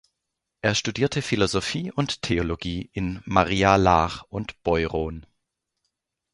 Er studierte Philosophie und Theologie in Maria Laach und Beuron.